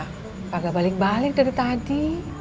agak balik balik dari tadi